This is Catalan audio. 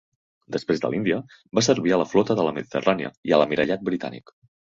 Després de l'Índia, va servir a la Flota de la Mediterrània i a l'Almirallat britànic.